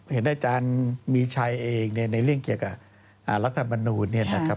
เห็นอาจารย์มีชัยเองในเรื่องเกี่ยวกับรัฐบาลนูน